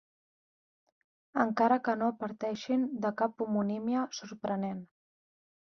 Encara que no parteixin de cap homonímia sorprenent.